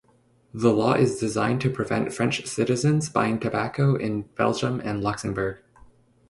The law is designed to prevent French citizens buying tobacco in Belgium and Luxembourg.